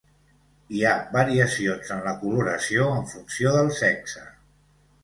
Hi ha variacions en la coloració en funció del sexe.